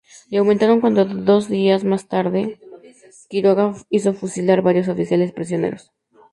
Y aumentaron cuando, días más tarde, Quiroga hizo fusilar a varios oficiales prisioneros.